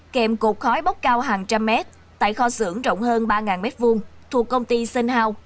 kèm cột khói bốc cao hàng trăm mét tại kho xưởng rộng hơn ba m hai thuộc công ty sinh hau